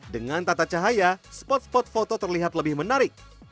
dengan tata cahaya spot spot foto terlihat lebih menarik